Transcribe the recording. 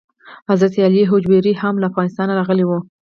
حضرت علي هجویري هم له افغانستانه راغلی و.